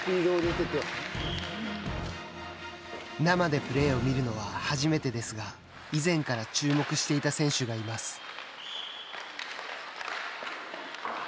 生でプレーを見るのは初めてですが以前から注目していた選手がいます。